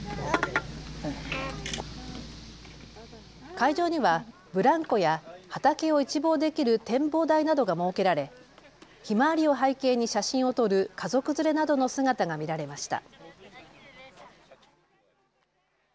会場には、ブランコや畑を一望できる展望台などが設けられひまわりを背景に写真を撮る家族連れなどの姿が見られました。